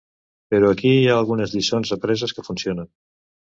Però aquí hi ha algunes lliçons apreses que funcionen.